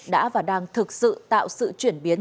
đã và đang thực sự tạo sự chuyển biến